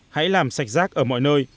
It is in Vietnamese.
hãy làm sạch rác ở mọi nơi